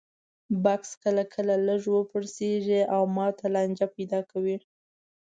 بکس کله کله لږ وپړسېږي او ماته لانجې پیدا کوي.